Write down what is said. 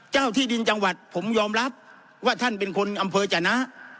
ที่ดินจังหวัดผมยอมรับว่าท่านเป็นคนอำเภอจนะ